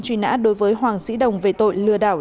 truy nã đối với hoàng sĩ đồng về tội lừa đảo